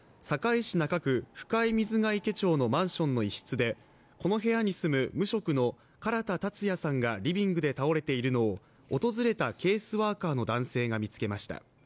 堺市中区深井水池町のマンションの一室でこの部屋に住む無職の唐田健也さんがリビングで倒れているのを訪れたケースワーカーの男性が見つけました。